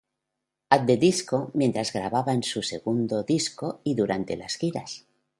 At The Disco mientras grababan su segundo disco y durante las giras.